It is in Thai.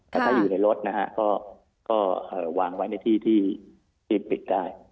แต่ถ้าอยู่ในรถนะฮะก็วางไว้ในที่ที่ปิดได้